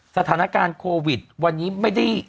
สถานการณ์โควิดวันนี้ไม่ได้